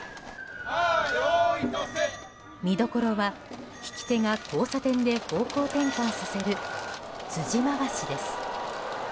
見どころは引き手が交差点で方向転換させる辻回しです。